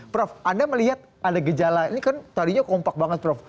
prof anda melihat ada gejala ini kan tadinya kompak banget prof